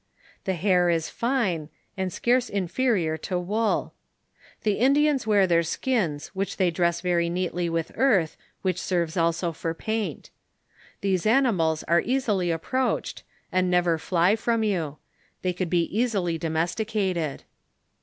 The hair is fine, and scarce inferior to wool. The Indians wear their skins which they dress very neatly with earth, which serves also for paint. These ani mals are easily approached, and never fly from you; they could be easily domesticated.